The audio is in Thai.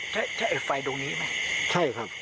ใช้ไฟดูนี้ไหม